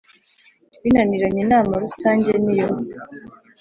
binaniranye Inama Rusange ni yo